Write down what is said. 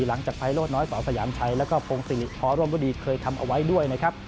หลังจากภัยโลดน้อยสยามชัยแล้วก็พงศิริพรมรุดีเคยทำเอาไว้ด้วยนะครับ